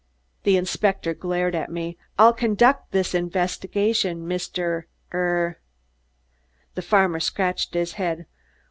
The inspector glared at me. "I'll conduct this investigation, Mr. err " The farmer scratched his head.